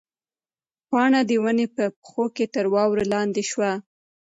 پاڼه د ونې په پښو کې تر واورو لاندې شوه.